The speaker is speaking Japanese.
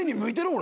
俺。